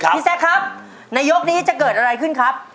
พี่แซคครับในยกนี้จะเกิดอะไรขึ้นครับ